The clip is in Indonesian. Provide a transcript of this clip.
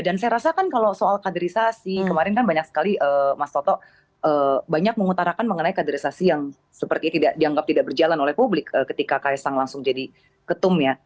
dan saya rasa kan kalau soal kaderisasi kemarin kan banyak sekali mas toto banyak mengutarakan mengenai kaderisasi yang seperti itu dianggap tidak berjalan oleh publik ketika khaesang langsung jadi ketum ya